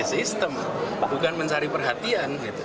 sistem bukan mencari perhatian